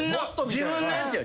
自分のやつよ。